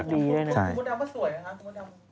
มุดดำก็สวยนะฮะ